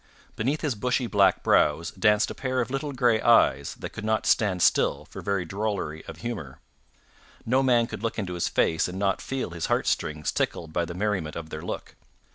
Beneath his bushy black brows danced a pair of little gray eyes that could not stand still for very drollery of humor. No man could look into his face and not feel his heartstrings tickled by the merriment of their look.